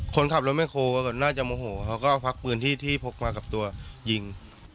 คนขับรถแคลน่าจะโมโหเขาก็ควักปืนที่พกมากับตัวยิง